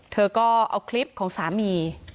เธอก็เอาคลิปของสามี